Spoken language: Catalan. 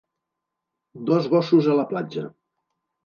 Dos gossos a la platja.